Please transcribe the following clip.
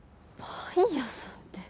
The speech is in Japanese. パン屋さんって。